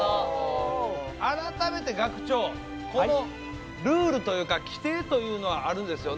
改めて学長このルールというか規定というのはあるんですよね？